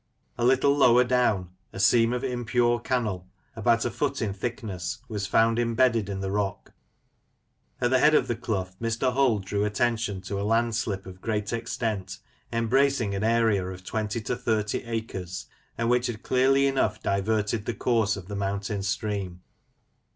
A little lower down, a seam of impure cannel, about a foot in thickness, was found im bedded in the rock. At the head of the clough, Mr. Hull drew attention to a landslip of great extent, embracing an area of twenty to thirty acres, and which had clearly enough diverted the course of the mountain stream.